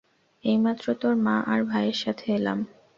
এইমাত্র তোর মা আর ভাইয়ের সাথে এলাম।